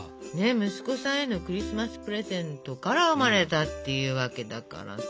息子さんへのクリスマスプレゼントから生まれたっていうわけだからさ。